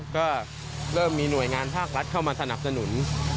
ก็เริ่มมีหน่วยงานภาครัฐเข้ามาสนับสนุน